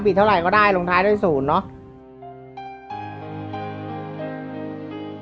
เท่าไหร่ก็ได้ลงท้ายด้วย๐เนาะ